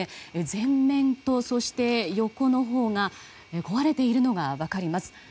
前面と横のほうが壊れているのが分かります。